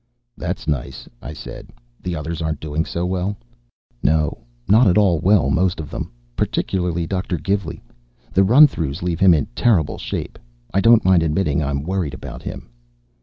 "That's nice," I said. "The others aren't doing so well?" "No. Not at all well, most of them. Particularly Dr. Gilvey. The run throughs leave him in terrible shape. I don't mind admitting I'm worried about him."